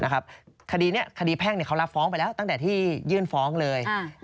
คดีนี้คดีแพ่งเขารับฟ้องไปแล้วตั้งแต่ที่ยื่นฟ้องเลย